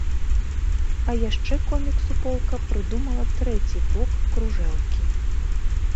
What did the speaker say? А яшчэ комік-суполка прыдумала трэці бок кружэлкі.